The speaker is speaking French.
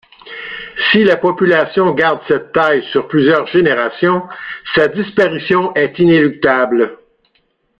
Si la population garde cette taille sur plusieurs générations, sa disparition est inéluctable.